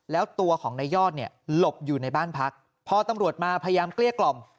แล้วตัวของนายยอดเนี่ยหลบอยู่ในบ้านพักพอตำรวจมาพยายามเกลี้ยกล่อม